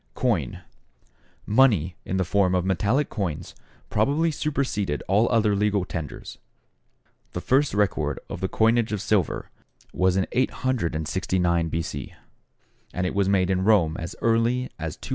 =Coin.= Money, in the form of metallic coins, probably superseded all other legal tenders. The first record of the coining of silver was in 869 B. C., and it was made in Rome as early as 269 B.